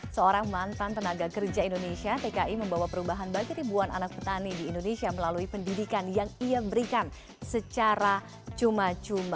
seorang mantan tenaga kerja indonesia tki membawa perubahan bagi ribuan anak petani di indonesia melalui pendidikan yang ia berikan secara cuma cuma